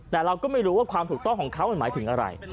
แต่เราก็ไม่รู้ว่าความถูกต้องของเขามันหมายถึงอะไร